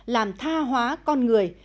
làm tha hóa con người